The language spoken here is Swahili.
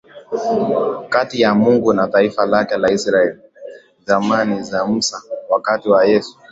kati ya Mungu na taifa lake la Israeli zamani za Musa Wakati wa Yesu